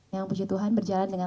yang puji tuhan berjalan dengan